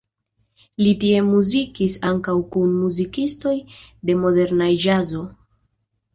Li tie muzikis ankaŭ kun muzikistoj de moderna ĵazo.